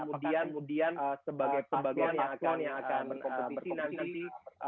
apakah kemudian sebagai pembakar yang akan berkompetisi nanti